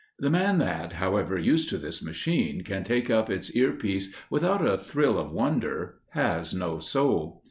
The man that, however used to this machine, can take up its ear piece without a thrill of wonder has no soul.